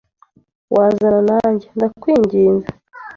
Wazana nanjye, ndakwinginze?